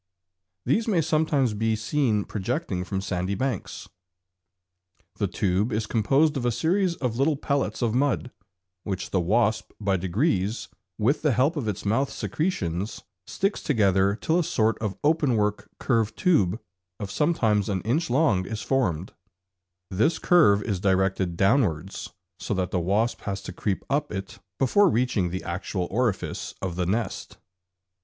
These may sometimes be seen projecting from sandy banks. The tube is composed of a series of little pellets of mud, which the wasp by degrees, with the help of its mouth secretions, sticks together till a sort of openwork curved tube of sometimes an inch long is formed (fig. 5). This curve is directed downwards, so that the wasp has to creep up it before reaching the actual orifice of the nest.